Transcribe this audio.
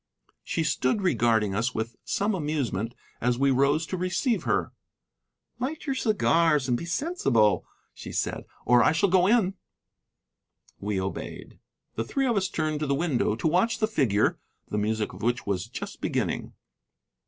She stood regarding us with some amusement as we rose to receive her. "Light your cigars and be sensible," said she, "or I shall go in." We obeyed. The three of us turned to the window to watch the figure, the music of which was just beginning.